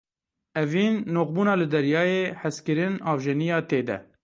Evîn; noqbûna li deryayê, hezkirin; avjeniya tê de.